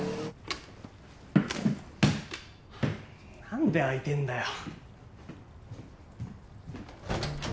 何で開いてんだよ。